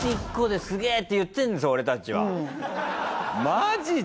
マジで？